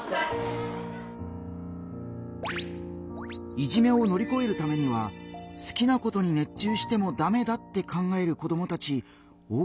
いじめを乗り越えるためには好きなことに熱中してもダメだって考える子どもたち多かったね。